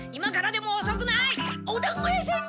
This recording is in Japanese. おだんご屋さんに。